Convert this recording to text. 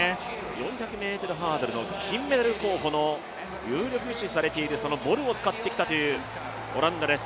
４００ｍハードルの金メダル候補の有力視されているボルを使ってきたというオランダです。